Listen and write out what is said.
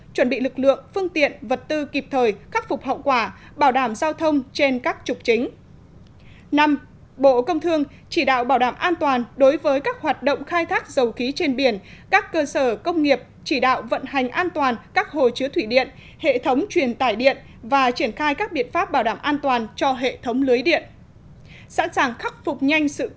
chuẩn bị lực lượng phương tiện vật tư kịp thời khắc phục hậu quả bảo đảm giao thông trên các trục chính